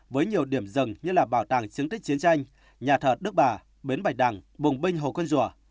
với nhiều điểm rừng như là bảo tàng chứng tích chiến tranh nhà thợ đức bà bến bạch đằng bùng binh hồ quân rùa